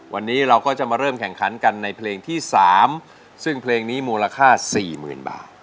วันนี้เราก็จะมาเริ่มแข่งขันกันในเพลงที่๓ซึ่งเพลงนี้มูลค่า๔๐๐๐บาท